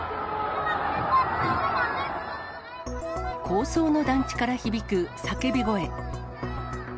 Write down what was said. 高層の団地から響く叫び声。